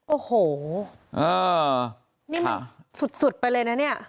โอ้โหนี่มันสุดไปเลยนะเนี่ย